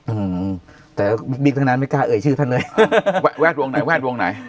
อืมแต่บิ๊กทั้งนั้นไม่กล้าเอ่ยชื่อท่านเลยแวดวงไหนแวดวงไหน